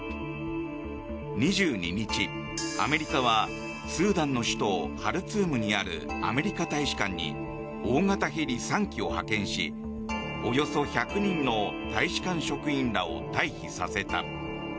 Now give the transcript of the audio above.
２２日、アメリカはスーダンの首都ハルツームにあるアメリカ大使館に大型ヘリ３機を派遣しおよそ１００人の大使館職員らを退避させた。